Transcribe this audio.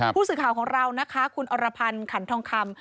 ผู้สื่อข่าวของเรานะคะคุณอรพันธ์ขันทองคำ